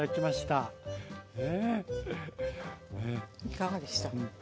いかがでした？